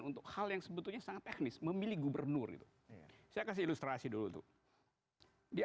untuk hal yang sebetulnya sangat teknis memilih gubernur itu saya kasih ilustrasi dulu tuh dia